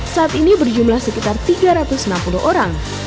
saat ini berjumlah sekitar tiga ratus enam puluh orang